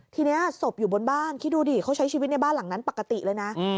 ทีนี้ศพอยู่บนบ้านคิดดูดิเขาใช้ชีวิตในบ้านหลังนั้นปกติเลยนะ